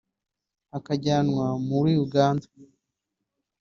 akajyanwa muri Uganda